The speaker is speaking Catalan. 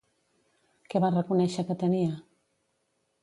Que va reconèixer que tenia?